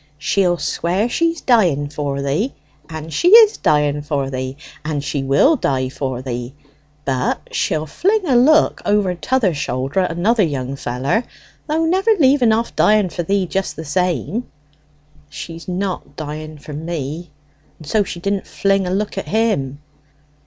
She'll swear she's dying for thee, and she is dying for thee, and she will die for thee; but she'll fling a look over t'other shoulder at another young feller, though never leaving off dying for thee just the same." "She's not dying for me, and so she didn't fling a look at him."